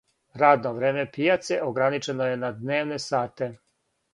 Радно време пијаце ограничено је на дневне сате.